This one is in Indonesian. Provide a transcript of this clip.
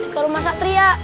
ke rumah satria